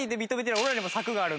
俺らにも策があるので。